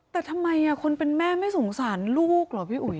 แต่ทำไมคนเป็นแม่ไม่สงสารลูกเหรอพี่อุ๋ย